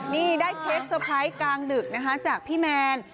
นี่ได้เค้กเตอร์ไพรส์กลางดึกนะคะจากพี่แมน